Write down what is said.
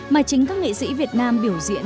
mà chính các nghệ sĩ việt nam biểu diễn